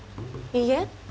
いいえ。